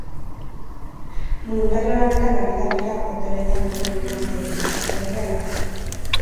Boluntario lanetan ari da bera hoteletan dauden migranteekin, gaztelera erakusten.